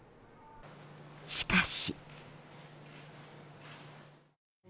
しかし。